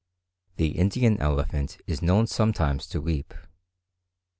The Indian elephant is known sometimes to weep.